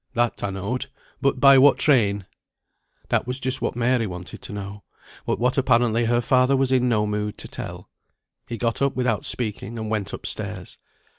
"That I knowed. But by what train?" That was just what Mary wanted to know; but what apparently her father was in no mood to tell. He got up without speaking, and went up stairs.